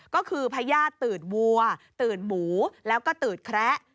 ก็คือพระญาติตืดวัวตืดหมูแล้วก็ตืดแคระ